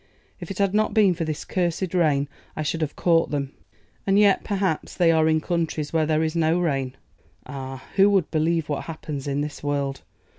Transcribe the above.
If it had not been for this cursed rain I should have caught them. And yet, perhaps, they are in countries where there is no rain. Ah! who would believe what happens in this world?